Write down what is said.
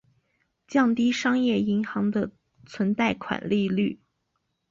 降低商业银行的存贷款利率。